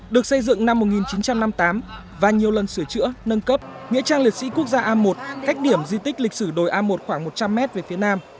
được xây dựng năm một nghìn chín trăm năm mươi tám và nhiều lần sửa chữa nâng cấp nghĩa trang liệt sĩ quốc gia a một cách điểm di tích lịch sử đồi a một khoảng một trăm linh m về phía nam